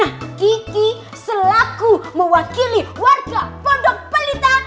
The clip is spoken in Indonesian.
nah kiki selaku mewakili warga pondok pelita